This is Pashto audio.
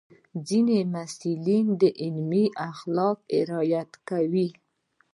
ځینې محصلین د علمي اخلاقو رعایت کوي.